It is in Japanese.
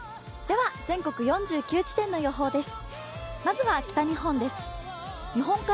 全国４９地点の予報です。